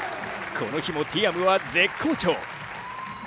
この日もティアムは絶好調。